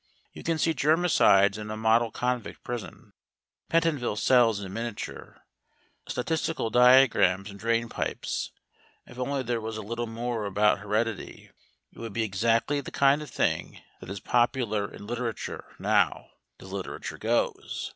You can see germicides and a model convict prison, Pentonville cells in miniature, statistical diagrams and drain pipes if only there was a little more about heredity, it would be exactly the kind of thing that is popular in literature now, as literature goes.